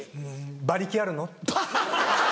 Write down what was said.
「馬力あるの？」。